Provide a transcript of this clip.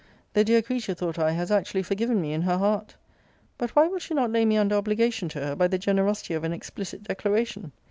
The dear creature, thought I, has actually forgiven me in her heart! But why will she not lay me under obligation to her, by the generosity of an explicit declaration?